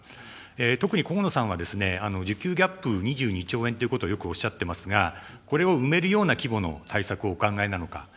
特に河野さんは、受給ギャップ２２兆円ということを、よくおっしゃっていますが、これを埋めるような規模の対策をお考えなのか。